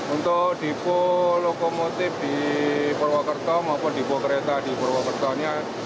untuk dipo lokomotif di purwokerto maupun dipo kereta di purwokertonya